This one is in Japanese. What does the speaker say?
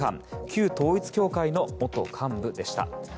旧統一教会の元幹部でした。